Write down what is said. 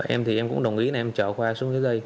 em cũng đồng ý em chở khoa xuống dưới đây